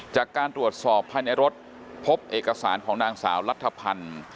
จากการตรวจสอบภายในรถพบเอกสารของนางสาวรัฐพันธ์